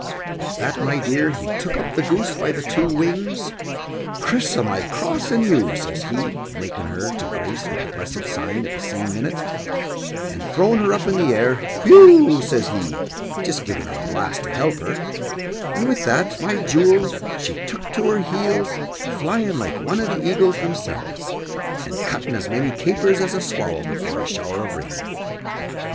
With that, my dear, he took up the goose by the two wings "Criss o' my cross an you," says he, markin' her to grace with the blessed sign at the same minute and throwing her up in the air, "whew," says he, jist givin' her a blast to help her; and with that, my jewel, she took to her heels, flyin' like one o' the eagles themselves, and cutting as many capers as a swallow before a shower of rain.